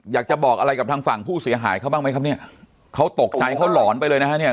อยากจะบอกอะไรกับทางฝั่งผู้เสียหายเขาบ้างไหมครับเนี่ยเขาตกใจเขาหลอนไปเลยนะฮะเนี่ย